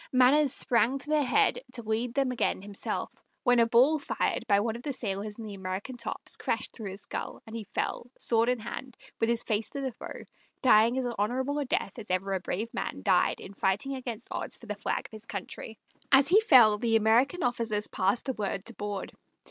Manners sprang to their head to lead them again himself, when a ball fired by one of the sailors in the American tops crashed through his skull, and he fell, sword in hand, with his face to the foe, dying as honorable a death as ever a brave man died in fighting against odds for the flag of his country. As he fell the American officers passed the word to board.